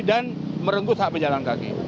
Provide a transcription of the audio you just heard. dan merenggut hak pejalan kaki